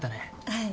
はい。